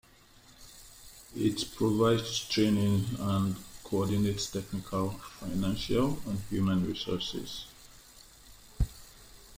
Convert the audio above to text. It provides training and coordinates technical, financial and human resources.